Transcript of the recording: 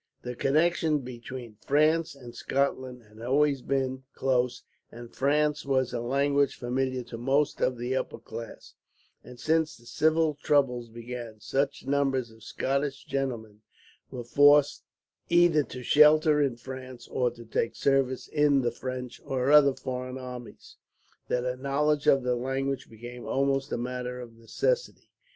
The connection between France and Scotland had always been close, and French was a language familiar to most of the upper class; and since the civil troubles began, such numbers of Scottish gentlemen were forced either to shelter in France, or to take service in the French or other foreign armies, that a knowledge of the language became almost a matter of necessity.